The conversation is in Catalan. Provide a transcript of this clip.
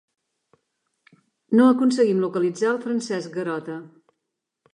No aconseguim localitzar al Francesc Garota.